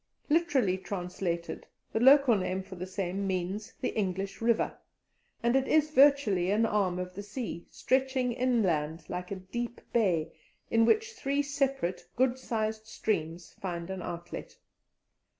Literally translated, the local name for the same means the "English River," and it is virtually an arm of the sea, stretching inland like a deep bay, in which three separate good sized streams find an outlet.